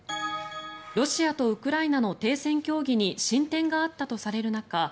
ロシアとウクライナの停戦協議に進展があったとされる中